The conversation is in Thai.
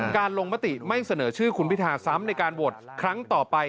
ลงมติไม่เสนอชื่อคุณพิธาซ้ำในการโหวตครั้งต่อไป